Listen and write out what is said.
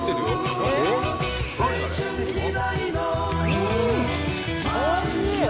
うんおいしい。